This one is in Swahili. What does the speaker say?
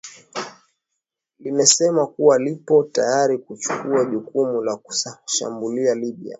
limesema kuwa lipo tayari kuchukua jukumu la kuishambulia libya